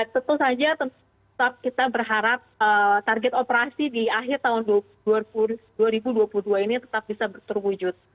tentu saja tetap kita berharap target operasi di akhir tahun dua ribu dua puluh dua ini tetap bisa terwujud